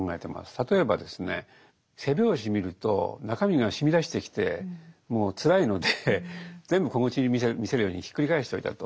例えばですね背表紙見ると中身がしみ出してきてもうつらいので全部小口見せるようにひっくり返しておいたと。